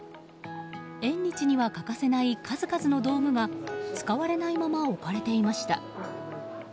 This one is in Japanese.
縁日には欠かせない数々の道具が使われないまま置かれていました。